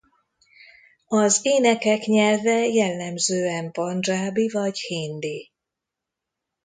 Az énekek nyelve jellemzően pandzsábi vagy hindi.